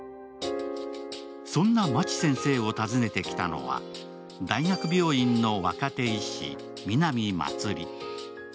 そんなマチ先生を訪ねてきたのは大学病院の若手医師、南茉莉。